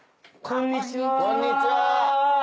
こんにちは。